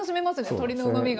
鶏のうまみが。